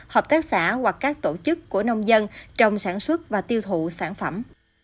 hợp tác xã hoặc các tổ chức của nông dân trong sản xuất và tiêu thụ sản phẩm